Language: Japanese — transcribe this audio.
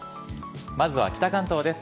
まずは北関東です。